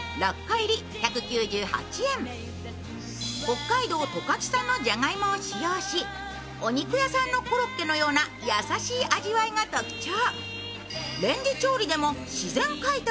北海道十勝産のじゃがいもを使用し、お肉屋さんのコロッケのような優しい味わいが特徴。